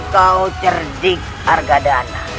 kau cerdik argadana